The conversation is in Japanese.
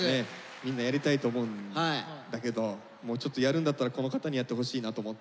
みんなやりたいと思うんだけどもうちょっとやるんだったらこの方にやってほしいなと思って。